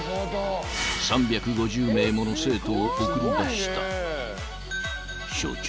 ［３５０名もの生徒を送り出した］